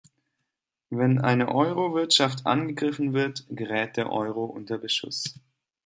Wenn eine Euro-Wirtschaft angegriffen wird, gerät der Euro unter Beschuss.